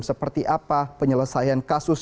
seperti apa penyelesaian kasus